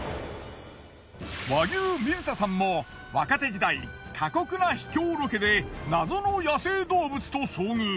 和牛水田さんも若手時代過酷な秘境ロケで謎の野生動物と遭遇。